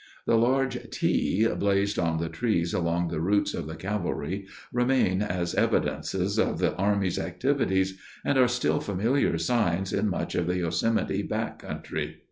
The large "T" blazed on the trees along the routes of the cavalrymen remain as evidences of the Army's activities and are still familiar signs in much of the Yosemite back country.